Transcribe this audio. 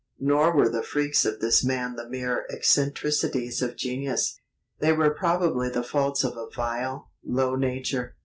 Nor were the freaks of this man the mere "eccentricities of genius"; they were probably the faults of a vile, low nature.